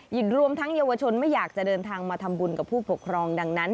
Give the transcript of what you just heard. รวมทั้งเยาวชนไม่อยากจะเดินทางมาทำบุญกับผู้ปกครองดังนั้น